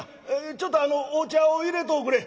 ちょっとお茶をいれとおくれ」。